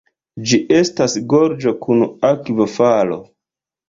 Ĝi estas gorĝo kun akvofalo.